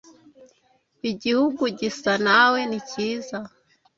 Igihugu gisa nawe ni cyiza